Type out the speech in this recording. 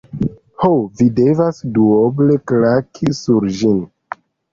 Ho, vi devas duoble klaki sur ĝin.